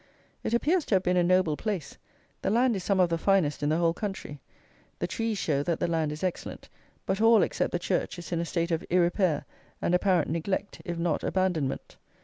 It appears to have been a noble place; the land is some of the finest in the whole country; the trees show that the land is excellent; but all, except the church, is in a state of irrepair and apparent neglect, if not abandonment.